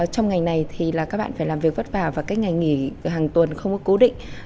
trong ngành này thì là các bạn phải làm việc vất vả và các ngày nghỉ hàng tuần không có cố định